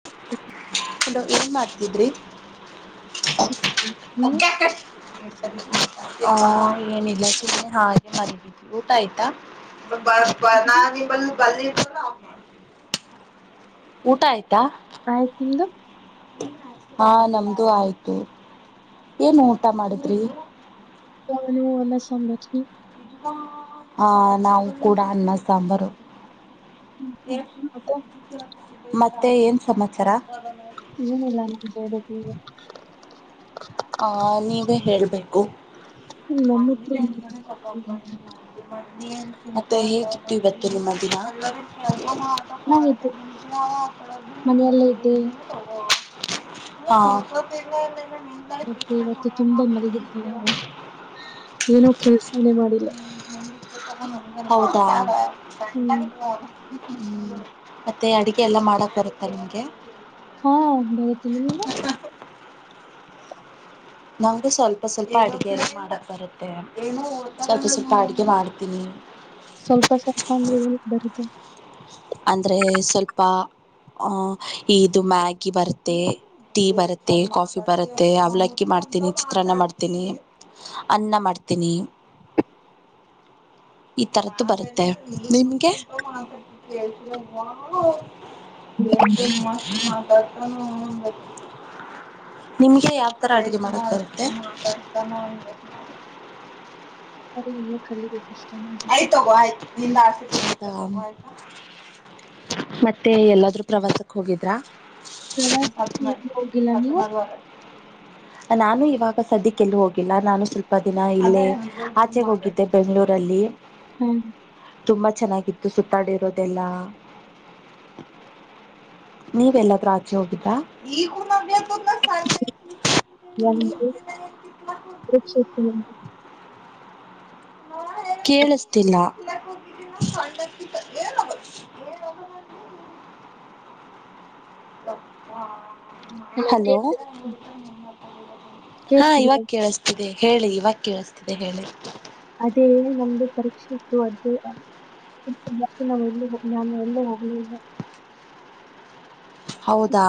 [unintelligible] Hello ಏನ್ ಮಾಡ್ತಿದ್ರಿ ನೀವು ಕೆಕ [unintelligible] ಹ ಏನಿಲ್ಲ ಚನೆ ಹಾಗೆ ಮರಿದ್ದವಿ ಊಟ ಆಯ್ತಾ ಬ ನ ಬ ಊಟ ಆಯ್ತು [unintelligible] ಆಯ್ತ್ ನಿಮ್ದು ಹಾ ನಮ್ದು ಆಯ್ತು ಏನ್ ಊಟ ಮಾಡಿದ್ರಿ ಅಲ್ಲ ಸಂಭತ [unintelligible] ಹ ನಾವು ಕೂಡ ಅನ್ನ ಸಾಂಬಾರು ಮತ್ತೆ ಮತ್ತೆ ಏನ್ ಸಮಾಚಾರ ಏನ ಇಲ್ಲ ನಿನ್ಗೆ ಹೇಳ [unintelligible] ಆ ನೀವೇ ಹೇಳ್ಬೇಕು ನಮ್ಮ ಹತ್ರ ಒಂದ ಏನಿಲ್ಲ ಎನ ಕಪ್ಪ [unintelligible] ಮತ್ತೆ ಹೇಗಿತ್ತು ಇವತ್ತು ನಿಮ್ಮ ದಿನ [inaudible] ಚೆನ್ನಾಗಿತ್ತು ಮನೆಯಲ್ಲೇ ಇದ್ದೆ ಹ [unintelligible] ಮತ್ತೆ ಇವತ್ತು ತುಂಬಾ ಮಲಗಿದ ನು ಏನೋ ಕೆಲ್ಸಾನೆ ಮಾಡಿಲ್ಲ ಹೌದಾ ಗ ಹ್ಮ್ ಹ್ಮ್ ಮತ್ತೆ ಅಡಗೆ ಎಲ್ಲ ಮಾಡಕ್ ಬರುತ್ತಾ ನಿಮಗೆ ಹಾ ಬರತೀನಿ ನಿಮಗೆ ನಮ್ಗೆ ಸ್ವಲ್ಪ ಸ್ವಲ್ಪ ಅಡಗೆ ಎಲ್ಲ ಮಾಡಕ್ ಬರುತ್ತೆ ಸ್ವಲ್ಪ ಸ್ವ- ಸ್ವಲ್ಪ ಅಡಗೆ ಮಾಡ ಇೇ [unintelligible] ಸ್ವಲ್ಪ ಸ್ವಲ್ಪ ಅಂದ್ರೆ ಏನ ಬರುತ್ತೆ ಅಂದ್ರೆ ಸ್ವಲ್ಪ ಇದು ಮ್ಯಾಗಿ ಬರುತ್ತೆ ಟೀ ಬರುತ್ತೆ ಕಾಫಿ ಬರುತ್ತೆ ಅವ್ಲಕ್ಕಿ ಮಾಡ್ತೀನಿ ಚಿತ್ರಾನ್ನ ಮಾಡ್ತೀನಿ ಅನ್ನ ಮಾಡ್ತೀನಿ, ಈ ತರ್ದು ಬರುತ್ತೆ ನಿಮ್ಗೆ ಕೇಳ್ಸಬೇಕ ಮಾ ಕಳ್ [unintelligible] [unintelligible] ನಿಮ್ಗೆ ಯಾವ್ತರ ಅಡುಗೆ ಮಾಡಕ್ಕಬರುತ್ತೆ [inaudible] ಅ್ರ ಇಲ್ಲೇ ಕಲಿಬೇಕು [unintelligible] ಆಯ್ತ ಹೋಗೋ ಆಯ್ತು ನಿಂದ [inaudible] ಮತ್ತೆ ಎಲ್ಲಾದ್ರೂ ಪ್ರವಾಸಕ್ ಹೋಗಿದ್ರಾ ಪ್ರವಾಸಕ್ಕೆ ಏನು ಹೋಗಿಲ್ಲ ನೀವು [unintelligible] ನಾನು ಇವಾಗ ಸದ್ಯಕ್ಕೆಲ್ಲ ಹೋಗಿಲ್ಲ ನಾನು ಸ್ವಲ್ಪ ದಿನ ಇಲ್ಲೇ ಆಚೆ ಹೋಗಿದ್ದೆ ಬೆಂಗಳೂರಲ್ಲಿ ಹಾ ತುಂಬಾ ಚೆನ್ನಾಗಿ ಇ್ದ ಸುತ್ತಾಡಿ ಇರೋದೆಲ್ಲ ನೀವೆಲ್ಲಾದೂ ಆಚೆ ಹೋಗಿದ್ರಾ ಒ ಶ [unintelligible] ಕೇಳಿಸ್ತಿಲ್ಲ [inaudible] [inaudible] ಹಲೋ [inaudible] ಹಾ ಇವಾಗ ಕೇಳಿಸ್ತಿದೀಯ ಕೇಳಿಸಸ್ತಿದೆ ಹೇಳಿ ಇವಾಗ ಕೇಳಿಸತಿದೆ ಹೇಳಿ ಅದೇ ನಮ್ದು ಪರೀಕ್ಷೆ ಇತ್ತು ಅದು ನಾವ ಎಲ್ಲಿ ಹೋಗ ನಾನು ಎಲ್ಲೂ ಹೋಗ್ಲ ಇಲ್ಲ [unintelligible] [unintelligible] ಹೌದಾ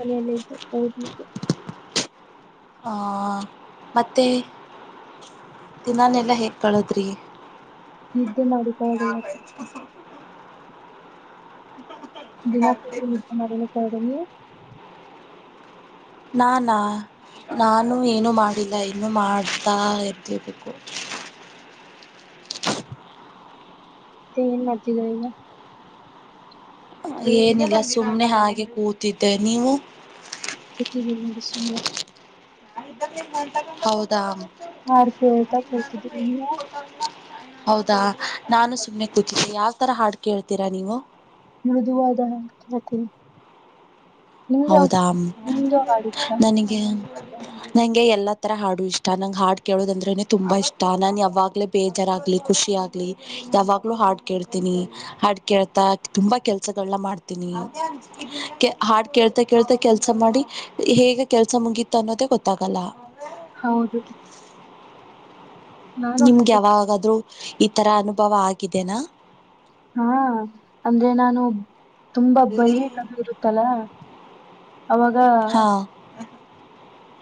ಅದಲ್ಲ ಓದಲಿ [inaudible] ಹ ಮತ್ತೆ ದಿನಾನೆಲ್ಲ ಹೇಗ್ ಕಳದ್ರಿ ನಿದ್ದೆ ಮಾಡಿಕೊಳ್ಳಳ ಇವತ್ತು ಹ [unintelligible] ದಿನ ಪೂರ್ತಿ ನಿದ್ದೆ ಮಾಡಿ ಕರೆದಿದ್ದೇನೆ ನಾನಾ ನಾನು ಏನು ಮಾಡಿಲ್ಲ ಇನ್ನು ಮಾಡ್ತಾ ಎಳ್ಬೇಕು [unintelligible] ಮತ್ತೆ ಏನು ಮಾಡತಿದಿರಾ ಈಗ ಏನಿಲ್ಲ ಸುಮ್ನೆ ಹಾಗೆ ಕೂತಿದ್ದೆ ನೀವು ರಾಮಿಸ [unintelligible] ಹೌದಾ ಹಾಡು ಕೇಳುತ್ತಾ ಕೂತಿದೀನಿ ಹೌದಾ ನಾನು ಸುಮ್ಮನೆ ಕೂತಿಸಿ ಯಾವ್ತರ ಹಾಡು ಕೇಳ್ತೀರಾ ನೀವು ಮೃದುವಾದ ಹೇಳ್ತೀನಿ ಹೌದಾ ಹಾಡು ಇಷ್ಟ ನನಗೆ ನಂಗೆ ಎಲ್ಲ ಆ ತರ ಹಾಡು ಇಷ್ಟ ನಂಗ ಹಾಡು ಕೇಳೋದಂದ್ರನೆ ತುಂಬಾ ಇಷ್ಟ ನಾನ್ ಯಾವಾಗ್ಲೇ ಬೇಜಾರಾಗ್ಲಿ ಖುಷಿ ಆಗ್ಲಿ ಯಾವಾಗ್ಲೂ ಹಾಡ್ ಕೇಳ್ತೀನಿ ಹಾಡ್ ಕೇಳ್ತಾ ತುಂಬಾ ಕೆಲ್ಸಗಳನ್ನ ಮಾಡ್ತೀನಿ [inaudible] ಕೆ ಹಾಡ್ ಕೇಳ್ತ ಕೇಳ್ತ ಕೆಲ್ಸ ಮಾಡಿ ಹೇಗೆ ಕೆಲ್ಸ ಮುಗೀತ ಅನ್ನೋದೇ ಗೊತ್ತಾಗಲ್ಲ ಹೌದು ನಾನು ನಿಮ್ಗೆ ಹಾಗೆ ಯಾವಾಗಾದ್ರೂ ಈ ತರ ಅನುಭವ ಆಗಿದೆನಾ ಹಾ ಅಂದ್ರೆ ನಾನು ತುಂಬಾ ಬರಲಿ ಕಭ [unintelligible] ಇರುತ್ತಲಾ ಅವಾಗ ಹಾ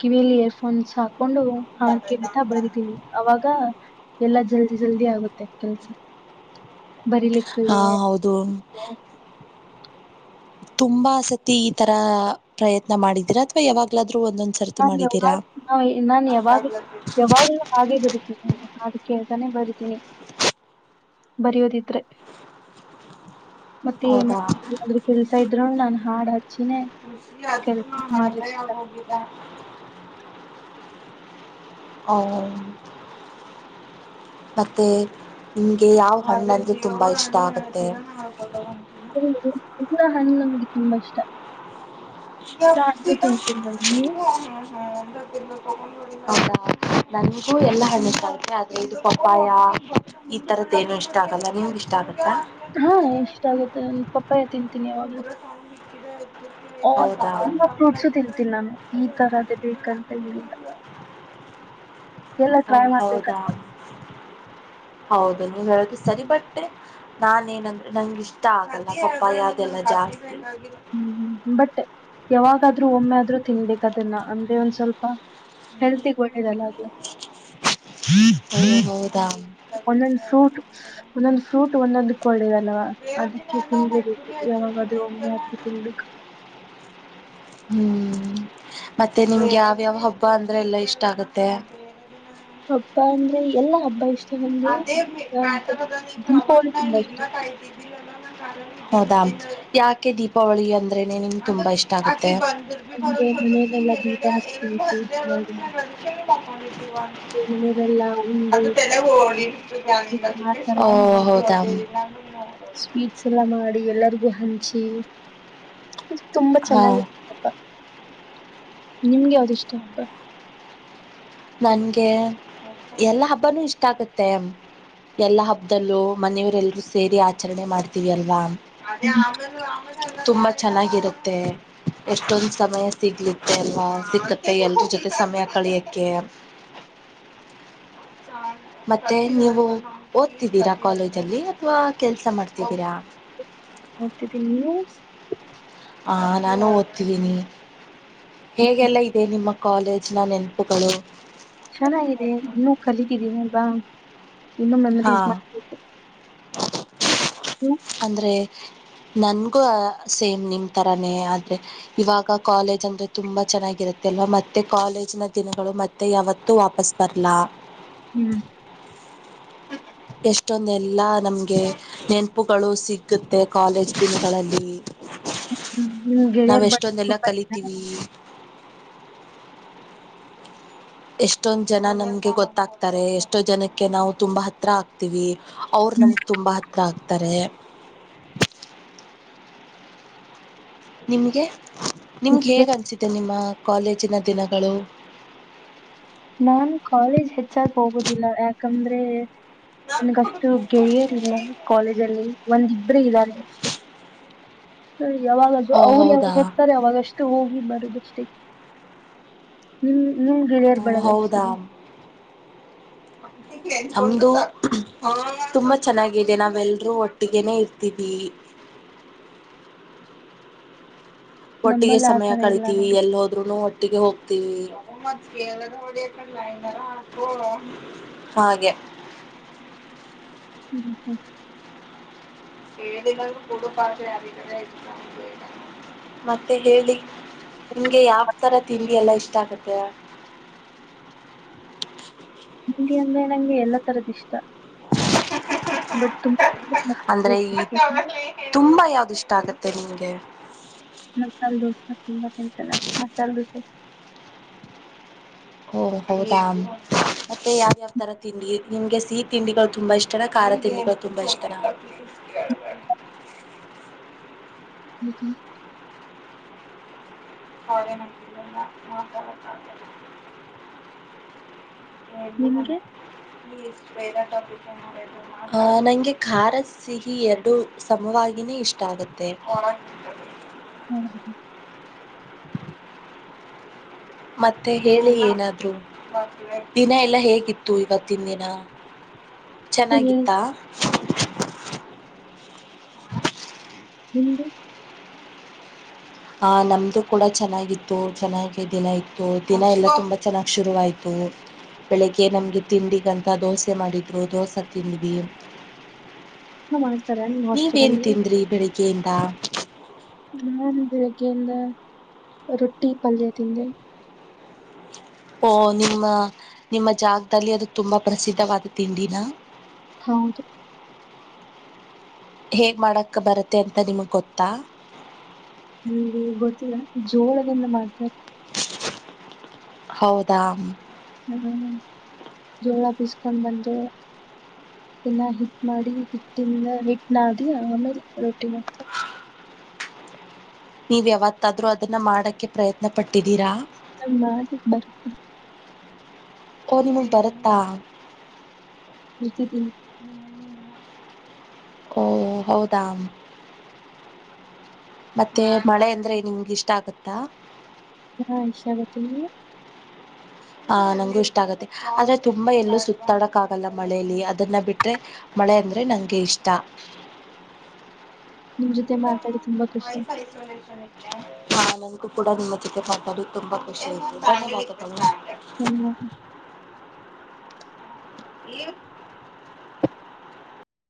ಕಿವಿಲ್ಲಿ ಏರ್ಫೋನ್ಸ್ ಹಾಕ್ ಕೊಂಡು ಹಾ ಕೇಳ್ತಾ ಬರತೀವಿ ಅವಾಗ ಎಲ್ಲಾ ಜಲ್ದಿ ಜಲ್ದಿ ಆಗುತ್ತೆ ಕೆಲಸ ಹಾ ಹೌದು ತುಂಬಾ ಸತಿ ಈ ತರ ಪ್ರಯತ್ನ ಮಾಡಿದೀರ ಅಥವಾ ಯಾವಾಗ್ಲ ನಾನ್ ಯಾವಾಗ್ ನಾವ ನಾನ್ ಯಾವಾಗ್ಲೂ ಯಾವಾಗ್ಲೂ ಹಾಗೆ ಬರುೀತೇನೆ ನಾನು ಅದಕ್ಕೆ [unintelligible] ತಾನೆ ಬರತೀನಿ [unintelligible] [unintelligible] ಬರಿಯೋದಿದ್ರೆ ಮತ್ತೆ ಹೌದಾ ಮಾದ್ರೂ ಕೆಲ್ಸ ಇದ್ರು ನಾನ್ ಹಾಡ್ ಹ ಚಿನೇ ಕೆಲ್ಸ ಮಾಡ್ಲಿಕ್ಕೆ [unintelligible] [unintelligible] ಮತ್ತೆ ನಿಮ್ಗೆ ಯಾವ ಹಣ್ಣಂದ್ರೆ ತುಂಬಾ ಇಷ್ಟ ಆಗುತ್ತೆ [inaudible] ಹ ಹಣ್ಣಂಗ ತುಂಬ ಇಷ್ಟ [unintelligible] ಹಣ್ಣು ತಿಂತೀನಿ ನಾನು ನೀವು ನನ್ಗೂ ಎಲ್ಲಾ ಹಣ್ಣ ಕಾಲೆ ಆದ್ರೆ ಇದು ಪಪ್ಪಾಯ ಈ ತರದ ಏನು ಇಷ್ಟ ಆಗಲ್ಲ ನಿಮಗು ಇಷ್ಟ ಆಗುತ್ತೆ ಹಾ ಇಷ್ಟ ಆಗುತ್ತೆ ನ ಪಪ್ಪಾಯ ತಿಂತ [unintelligible] ಆ ಹೌದಾ ಎಲ್ಲ ಫ್ರೂಟ್ಸು ತಿರ್ತಿ ನಾನು ಈ ತರ ಅದೇ ಬೇಕಲ್ ಅ ಎಲ್ಲ ಹ ಟ್ರೈ ಹೌದಾ ಮಾಡ್ಬೇಕಂತ ಹೌದು ನೀವ್ ಹೇಳುದು ಸರಿ ಬಟ್ ನಾನ ಏನಂದ್ರೆ ನಂ ಇಷ್ಟ ಆಗಲ್ಲ ಪಪ್ಪಯ ಯಾವದೆಲ್ಲ ಜಾಸ್ತಿ ಹ್ಮ್ ಬಟ್ ಯಾವಾಗಾದ್ರೂ ಒಮ್ಮೆ ಆದ್ರೂ ತಿನ್ಬೇಕದನ್ನ ಅಂದ್ರೆ ಒಂದ್ ಸ್ವಲ್ಪ ಹೆಲ್ತಿಗೆ ಒಳ್ಳೆಯದು ಅಲ್ಲ ಓ ಹೌದಾ ಒಂದೊಂದು ಫ್ರೂಟ್ ಒಂದೊಂದು ಫ್ರೂಟ್ ಒಂದೊಂದು ಕೋಡ್ ಅಲ್ವಾ ಅದಕ್ಕೆ ತಿನ್ಬೇಕು ಯಾವಾಗಾದ್ರೂ ಒಮ್ಮೆ ಆದ್ರೂ ತಿನ್ಬೇಕ ಹ್ಮ್ ಮತ್ತೆ ನಿಮ್ಗೆ ಯಾವ್ಯಾವ ಹಬ್ಬ ಅಂದ್ರೆ ಎಲ್ಲಾ ಇಷ್ಟ ಆಗತ್ತೆ ಹಬ್ಬಾ ಅಂದ್ರೆ ಎಲ್ಲಾ ಹಬ್ಬ ಇಷ್ಟ ನಮ್ಗೆ ಅದೇ ಬ್ಯಾತ ಅಂತ ಅದ ನೀನ್ ದೀಪಾವಳಿ ಯವತ್ನ ತುಂಬಾ ಇಷ್ಟ ಇಡ್ಲಕ್ ಆಯ್ತಿದ್ದಿಲ್ಲಲ್ಲ ಹೌದಾ ಯಾಕೆ ದೀಪಾವಳಿ ಅಂದ್ರೇನೆ ನಿಮ್ಗೆ ತುಂಬಾ ಇಷ್ಟ ಆಗುತ್ತೆ ನಿರ್ಬೀ ಅಂದ್ರೆ ಮನೆಯಲೆಲ್ಲಾ ದೀಪ ಹಚ್ಚಿ ಹತ ಹಗಡೆ [unintelligible] ಅ ಮನೆಯದೆಲ್ಲಾ ಉಂಡಿ ಈ ಮಾಡ್ತಾರ ಓ ಹೌದಾ ಸ್ವೀಟ್ಸ್ ಎಲ್ಲ ಮಾಡಿ ಎಲ್ಲರಿಗೂ ಹಂಚಿ ತುಂಬಾ ಹಾ ಚೆನ್ನಾಗಿರ್ತ್ತಪ್ಪ ನಿಮ್ಗೆ ಯಾವ್ದಿಷ್ಟ ಅಪ್ಪ ನನ್ಗೆ ಎಲ್ಲಾ ಹಬ್ಬಾನೂ ಇಷ್ಟ ಆಗುತ್ತೆ ಎಲ್ಲಾ ಹಬ್ಬದಲ್ಲೂ ಮನೆಯವರೆಲ್ಲಾ ಸೇರಿ ಆಚರಣೆ ಮಾಡ್ತೀವಿ ಅಲ್ವಾ ತುಂಬಾ ಚೆನ್ನಾಗಿರುತ್ತೆ ಎಷ್ಟೊಂದ್ ಸಮಯ ಸಿಗ್ಲತ್ತೆ ಅಲ್ಲ ಸಿಕ್ಕತ್ತೆ ಎಲ್ರ ಜೊತೆ ಸಮಯ ಕಳಿಯಕ್ಕೆ [inaudible] ಮತ್ತೆ ನೀವು ಓದ್ತಿದ್ದೀರಾ ಕಾಲೇಜ ಅಲ್ಲಿ ಅಥವಾ ಕೆಲ್ಸ ಮಾಡ್ತಿದ್ದೀರಾ ಹ ಹತಿದ್ದೀ ನೀವು ಹಾ ನಾನು ಓದ್ತಿದ್ದೀನಿ ಹೇಗೆಲ್ಲ ಇದೆ ನಿಮ್ಮ ಕಾಲೇಜ್ ನ ನೆನಪುಗಳು ಚೆನ್ನಾಗಿದೆ ಇನ್ನುೂ ಕಲಿತಿದ್ದೀನಿಲ್ವಾ ಇನ್ನುೂ ಹಾ ಮೆಮರೀಸ್ ಮಾಡ್ಬೇಕು ನೀವು ಅಂದ್ರೆ ನನ್ಗೂ ಸೇಮ್ ನಿಮ ತರಾನೇ ಆದ್ರೆ ಇವಾಗ ಕಾಲೇಜ್ ಅಂದ್ರೆ ತುಂಬಾ ಚೆನ್ನಾಗಿರುತ್ತೆ ಅ ಮತ್ತೆ ಕಾಲೇಜಿನ ದಿನಗಳು ಮತ್ತೆ ಯಾವತ್ತೂ ವಾಪಸ್ ಬರ್ಲಾ ಹ್ಮ್ ಎಷ್ಟೊಂದೆಲ್ಲ ನಮ್ಗೆ ನೆನಪುಗಳು ಸಿಗುತ್ತೆ ಕಾಲೇಜ್ ದಿನಗಳಲ್ಲಿ ಅಲ್ಲಿ ಹ್ಮ ಹ್ಮ್ ನಿಮ್ ಗೆಳೆಯರ್ [unintelligible] ಕಲಿತೀವಿ ಎಷ್ಟೊಂದ್ ಜನ ನಮ್ಗೆ ಗೊತ್ತಾಗ್ತಾರೆ ಎಷ್ಟೋ ಜನಕ್ಕೆ ನಾವು ತುಂಬಾ ಹತ್ರ ಆಗ್ತೀವಿ ಅವರು ಹ್ಮ್. ನಮಗ್ ತುಂಬಾ ಹತ್ರ ಆಗ್ತಾರೆ ನಿಮ್ಗೆ ನಿಮ್ಗೆ ಏ- ಹೇಗ್ ಅನ್ಸಿದೆ ನಿಮ್ಮ ಕಾಲೇಜಿನ ದಿನಗಳು ನಾನ್ ಕಾಲೇಜ್ ಹೆಚ್ಚಾಗಿ ಹೋಗೋದಿಲ್ಲ ಯಾಕಂದ್ರೆ ನನ್ಗಷ್ಟು ಗೆಳೆಯರಿಲ್ಲ ಕಾಲೇಜ ಅಲ್ಲಿ ಒಂದು ಇಬ್ಬರು ಇದ್ದಾರೆ ಅಷ್ಟೆ ಹ ಯಾವಾಗ ಆದ್ರು ಓ ಅವುರು ಯಾವಾಗ್ ಹೌದಾ ಹೋಗ್ತಾರೆ ಅವಾಗ ಅಷ್ಟು ಹೋಗಿ ಬರೋದು ನಿಮ ನಿಮ್ ಗೆಳೆಯರ್ ಬಳಗ ಹೌದಾ ಎಷ್ಟಿದೆ ನಮ್ದು ತುಂಬಾ ಚೆನ್ನಾಗಿದೆ ನಾವೆಲ್ರೂ ಒಟ್ಟಿಗೆನೆೇ ಇರ್ತೀವಿ [unintelligible] ಒಟ್ಟಿಗೆ ನಮ್ಮಲ್ಲಿ ಸಮಯ ಆತರ ಇಲ್ಲ ಕಳಿತೀವಿ ನೋಡಿ ಎಲ್ಲಿ ಹೋದ್ರುೂನು ಒಟ್ಟಿಗೆ ಹೋಗ್ತೀವಿ ಹಾಗೆ [unintelligible] ಹ್ಮ ಹ್ಮ ಮತ್ತೆ ಹೇಳಿ ನಿಮ್ಗೆ ಯಾವ ತರ ತಿಂಡಿ ಎಲ್ಲಾ ಇಷ್ಟ ಆಗತೆ ತಿಂಡಿ ಅಂದ್ರೆ ನಂಗೆ ಎಲ್ಲಾ ತರದ್ ಇಷ್ಟ ಬಟ್ ತುಂಬಾ ಅಂದ್ರೆ ಮಸಾಲೆ ಅಂದ್ರೆ ದೋಸೆ ಈ ಇಷ್ಟ ನಂಗೆ ತುಂಬಾ ಯಾವ್ದಿಷ್ಟ ಆಗತ್ತೆ ನಿಮ್ಗೆ ಮಸಾಲೆ ದೋಸೆ ತುಂಬಾ ತಿಂತಲ್ಲ ಮಸಾಲೆ ದೋಸೆ ಇಷ್ಟು ಹೊ ಹೌದಾ ಮತ್ತೆ ಯಾವ್ಯಾವ್ ತರ ತಿಂಡಿ ನಿಮ್ಗೆ ಸಿಹಿ ತಿಂಡಿಗಳು ತುಂಬಾ ಇಷ್ಟನ ಖಾರ ತಿಂಡಿಗಳು ತುಂಬಾ ಇಷ್ಟನ ಯ [unintelligible] ಹ್ಮ್ಹ [unintelligible] ನಿಮ್ಗೆ [unintelligible] ಆ ನಂಗೆ ಖಾರ ಸಿಹಿ ಎರಡು ಸಮವಾಗಿನೇ ಇಷ್ಟ ಆಗ ಆಗತ್ತೆ ಹ್ಮ ಮತ್ತೆ ಹೇಳಿ ಏನಾದ್ರು ದಿನ ಎಲ್ಲಾ ಹೇಗಿತ್ತು ಇವತ್ತಿನ ದಿನ ಹೇಳಿ ಚೆನ್ನಾಗಿತ್ತಾ ನಿಮ್ದುು ಆ ನಮ್ದು ಕೂಡ ಚೆನ್ನಾಗಿತ್ತು ಚೆನ್ನಾಗಿ ದಿನ ಇತ್ತು ದಿನ ಎಲ್ಲ ತುಂಬಾ ಚೆನ್ನಾಗ್ ಶುರುವಾಯ್ತು ಹ ಬೆಳಿಗ್ಗೆ ನಮ್ಗೆ ತಿಂಡಿಗಂತ ದೋಸೆ ಮಾಡಿದ್ರು ದೋಸೆ ತಿಂದ್ವ ಮಾಡ್ತಾರ ನಿಮ್ ಹಾಸ್ಟೆಲ್ ನೀವೇನ್ ಅಲ್ಲಿ ತಿಂದ್ರಿ ಬೆಳಿಗ್ಗೆಯಿಂದ ನನ್ ಬೆಳಿಗ್ಗೆಯಿಂದ ರೊಟ್ಟಿ ಪಲ್ಯ ತಿಂದೆ [unintelligible] ಓಹ ನಿಮ್ಮ ನಿಮ್ಮ ಜಾಗದಲ್ಲಿ ಅದು ತುಂಬಾ ಪ್ರಸಿದ್ಧವಾದ ತಿಂಡಿನ ಹೌದು ಹೇಗ್ ಮಾಡಕ ಬರತ್ತೆ ಅಂತ ನಿಮ್ಗ್ ಗೊತ್ತಾ ನಮಗೆ ಗೊತ್ತಿಲ್ಲ ಜೋಳದಿಂದ ಮಾಡ್ತಾರೆ ಹೌದಾ ಹ್ಮ್ ಜೋಳ ಬೀಸ್ಕೊಂಡ್ ಬಂದು ಅದನ್ ಹಿಟ್ ಮಾಡಿ ಹಿಟ್ಟಿಂದ ಹಿಟ್ ನಾದಿ ಆಮೇಲೆ ರೊಟ್ಟಿನ ನೀವ್ ಯಾವತ್ತಾದ್ರೂ ಅದನ್ನ ಮಾಡಕ್ಕೆ ಪ್ರಯತ್ನ ಪಟ್ಟಿದ್ದೀರಾ ನಮ ಮಾಡಿಕ್ಕೆ ಬರುತ್ತೆ ಓ ನಿಮಗ್ ಬರತ್ತಾ ಬತೆಿದ್ದ ಓ ಹೌದ ಮತ್ತೆ ಮಳೆ ಅಂದ್ರೆ ನಿಮ್ಗೆ ಇಷ್ಟ ಆಗತ್ತಾ ಹ ಇಐಶಾಆಗುತ್ತೆ ನಿಮ್ಗೆ ಆ ನಂಗು ಇಷ್ಟ ಆಗತ್ತೆ ಆದ್ರೆ ತುಂಬಾ ಎಲ್ಲೂ ಸುತ್ತಾಡಕ್ ಆಗಲ್ಲ ಮಳಲಿ ಅದನ್ನ ಬಿಟ್ರೆ ಮಳೆ ಅಂದ್ರೆ ನಂಗೆ ಇಷ್ಟ ನಿಮ್ ಜೊತೆ ಮಾತಾಡಿ ತುಂಬಾ ಖುಷಿ ಆಯ್ತು ವಯಸ್ಯ ಒಂದ ಹಾ ನನ್ಗೂ ಕೂಡ ನಿಮ್ಮ ಜೊತೆ ಮಾತಾಡ ತುಂಬಾ ಖುಷಿ ಆು ಎಲ್ಲ [inaudible]